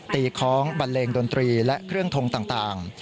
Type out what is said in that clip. คล้องบันเลงดนตรีและเครื่องทงต่าง